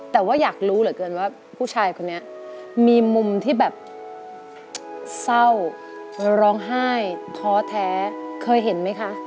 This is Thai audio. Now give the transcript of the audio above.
แต่ว่าอยากรู้เหลือเกินว่าผู้ชายคนนี้มีมุมที่แบบเศร้าร้องไห้ท้อแท้เคยเห็นไหมคะ